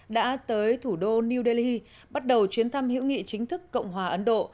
đã tới thủ đô new delhi bắt đầu chuyến thăm hữu nghị chính thức cộng hòa ấn độ